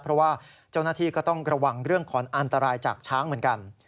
เพราะว่าเจ้าหน้าที่ก็ต้องระวังเรื่องของอันตรายจากช้างเหมือนกัน